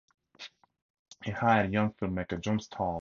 He hired young filmmaker John Stahl to direct.